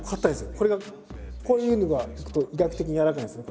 これがこういうのがいくと医学的に柔らかいんですよ。